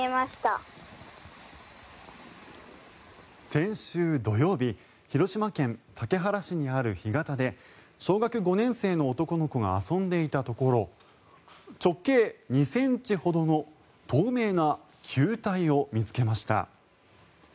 先週土曜日広島県竹原市にある干潟で小学５年生の男の子が遊んでいたところ直径２ｃｍほどの透明な球体を見つけました。